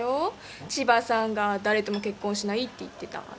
千葉さんが誰とも結婚しないって言ってたって。